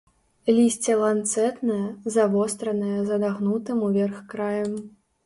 Лісце ланцэтнае, завостранае, з адагнутым уверх краем.